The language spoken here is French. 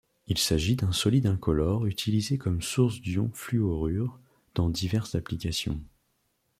Il s'agit d'un solide incolore utilisé comme source d'ions fluorures dans diverses applications.